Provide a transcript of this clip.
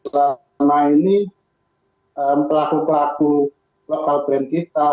karena ini pelaku pelaku lokal brand kita